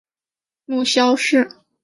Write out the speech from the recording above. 母萧氏。